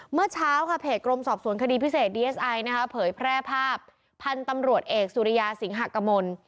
เมื่อเช้าค่ะเพจกรมสอบสวนคดีพิเศษดีเอสไอนะคะเผยแพร่ภาพพันธุ์ตำรวจเอกสุริยาสิงหะกมล